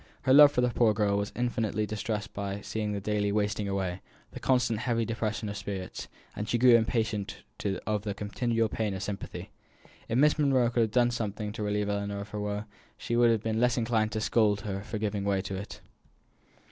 Her love for the poor girl was infinitely distressed by seeing the daily wasting away, the constant heavy depression of spirits, and she grew impatient of the continual pain of sympathy. If Miss Monro could have done something to relieve Ellinor of her woe, she would have been less inclined to scold her for giving way to it.